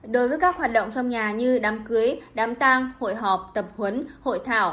đối với các hoạt động trong nhà như đám cưới đám tang hội họp tập huấn hội thảo